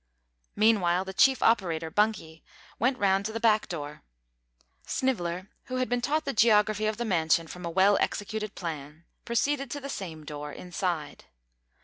Meanwhile, the chief operator, Bunky, went round to the back door. Sniveller, who had been taught the geography of the mansion from a well executed plan, proceeded to the same door inside.